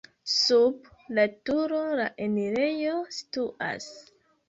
Sub la turo la enirejo situas.